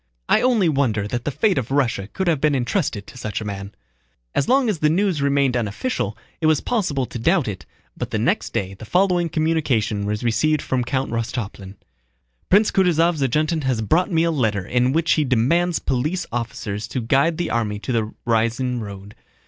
"I only wonder that the fate of Russia could have been entrusted to such a man." As long as this news remained unofficial it was possible to doubt it, but the next day the following communication was received from Count Rostopchín: Prince Kutúzov's adjutant has brought me a letter in which he demands police officers to guide the army to the Ryazán road.